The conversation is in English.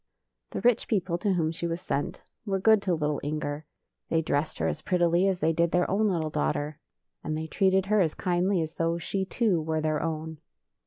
The rich people, to whom she was sent, were good to little Inger. They dressed her as prettily as they did their own little daugh ter, and they treated her as kindly as though she, too, were their own.